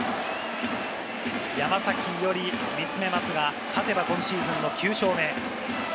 山崎伊織、見つめますが勝てば今シーズンの９勝目。